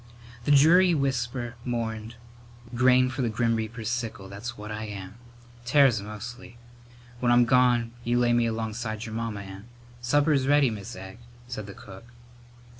The dreary whisper mourned, "Grain for the grim reaper's sickle, that's what I am. Tares mostly. When I'm gone you lay me alongside your mamma and " "Supper's ready, Mis' Egg," said the cook.